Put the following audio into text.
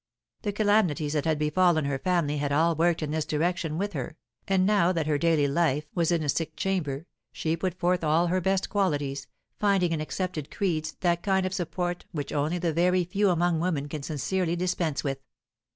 The calamities that had befallen her family had all worked in this direction with her, and now that her daily life was in a sick chamber, she put forth all her best qualities, finding in accepted creeds that kind of support which only the very few among women can sincerely dispense with.